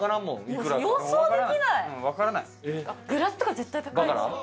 グラスとか絶対高いでしょ。